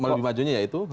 lebih majunya ya itu